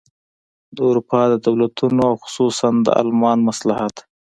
د اروپا د دولتونو او خصوصاً د المان مصلحت.